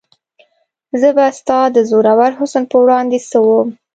زه به د ستا د زورور حسن په وړاندې څه وم؟